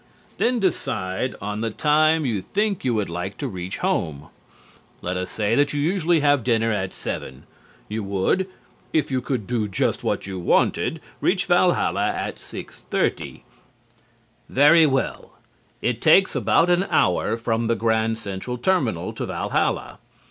Then decide on the time you think you would like to reach home. Let us say that you usually have dinner at 7. You would, if you could do just what you wanted, reach Valhalla at 6:30. Very well. It takes about an hour from the Grand Central Terminal to Valhalla.